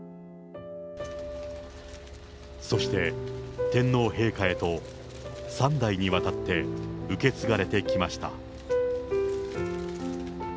そして天皇陛下へと、３代にわたって受け継がれてきました。